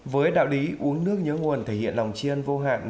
với đạo lý uống nước nhớ nguồn thể hiện lòng chiên vô hạn